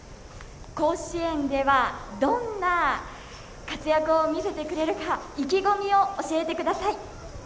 甲子園では、どんな活躍を見せてくれるか意気込みを教えてください。